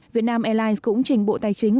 vietnam airlines cũng chỉnh bộ tài chính